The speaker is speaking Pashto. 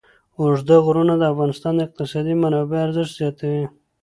اوږده غرونه د افغانستان د اقتصادي منابعو ارزښت زیاتوي.